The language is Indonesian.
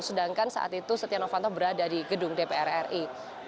sedangkan saat itu setia novanto berada di gedung dprri